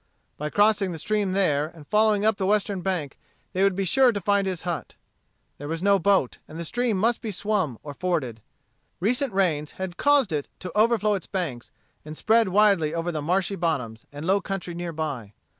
By crossing the stream there, and following up the western bank they would be sure to find his hut. There was no boat, and the stream must be swum or forded. Recent rains had caused it to overflow its banks and spread widely over the marshy bottoms and low country near by.